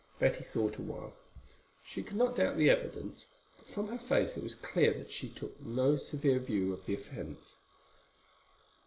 Betty thought a while. She could not doubt the evidence, but from her face it was clear that she took no severe view of the offence.